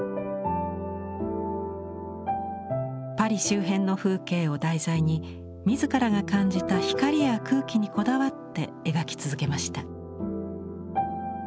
パリ周辺の風景を題材に自らが感じた光や空気にこだわって描き続けました。